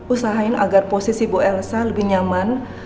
usahain agar posisi bu elsa lebih nyaman